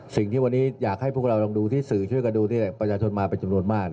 สิ่งที่วันนี้อยากให้พวกเราลองดูที่สื่อช่วยกันดูที่ประชาชนมาเป็นจำนวนมาก